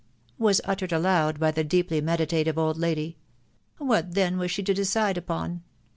was uttered aloud by the deeply meditative old lady. " "What then was she to decide upon